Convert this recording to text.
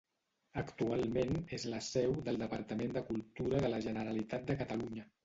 Actualment és la seu del Departament de Cultura de la Generalitat de Catalunya.